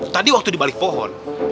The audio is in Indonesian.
tadi waktu di balik pohon